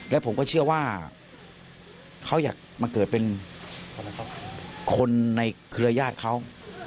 และผมก็เชื่อว่าเขาอยากมาเกิดเป็นคนในเครือญาติเขา